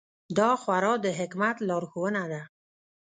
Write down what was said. دا خورا د حکمت لارښوونه ده.